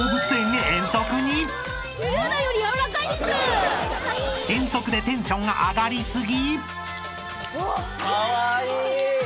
本麒麟［遠足でテンション上がり過ぎ］